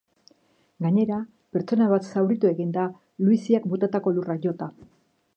Gainera, pertsona bat zauritu egin da luiziak botatako lurra jota.